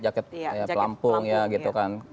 jaket pelampung ya gitu kan